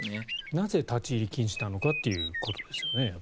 なぜ立ち入り禁止なのかということですよね。